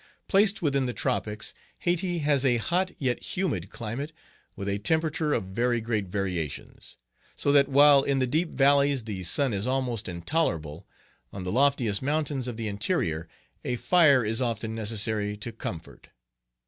Placed within the tropics, Hayti has a hot yet humid climate, with a temperature of very great variations; so that while in the deep valleys the sun is almost intolerable, on the loftiest mountains of the interior a fire is often necessary to comfort.